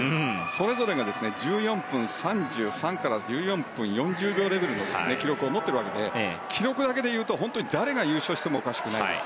それぞれが１４分３３から１４分４０秒レベルの記録を持ってるわけで記録だけで言うと本当に誰が優勝してもおかしくないです。